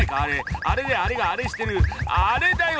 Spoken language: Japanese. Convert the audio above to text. あれであれがあれしてるあれだよ！